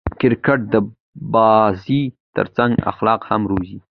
کرکټ د بازي ترڅنګ اخلاق هم روزي.